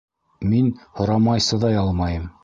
Мин һорамай сыҙай алмайым: